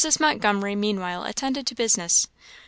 Montgomery meanwhile attended to business.